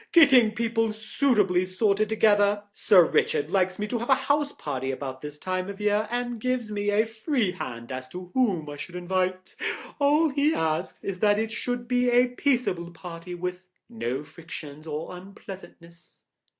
"Getting people suitably sorted together. Sir Richard likes me to have a house party about this time of year, and gives me a free hand as to whom I should invite; all he asks is that it should be a peaceable party, with no friction or unpleasantness."